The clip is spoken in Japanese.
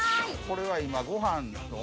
これは今ご飯と。